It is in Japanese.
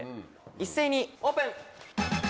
一斉にオープン！